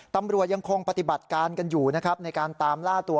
ตำรวจยังคงปฏิบัติการกันอยู่นะครับในการตามล่าตัว